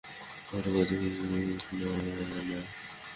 খবরের কাগজে হুজুক করা নয়।